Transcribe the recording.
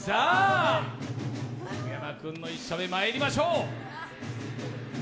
福山君の１射目、まいりましょう。